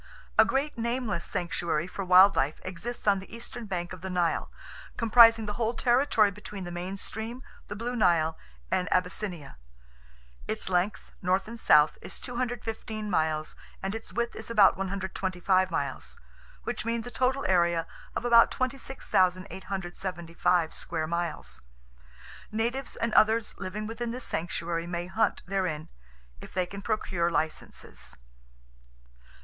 A great nameless sanctuary for wild life exists on the eastern bank of the Nile, comprising the whole territory between the main stream, the Blue Nile and Abyssinia. Its length (north and south) is 215 miles, and its width is about 125 miles; which means a total area of about 26,875 square miles. Natives and others living within this sanctuary may hunt therein—if they can procure licenses.